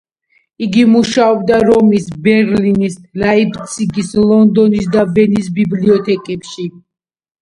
იგი მუშაობდა რომის, ბერლინის, ლაიფციგის, ლონდონის და ვენის ბიბლიოთეკებში.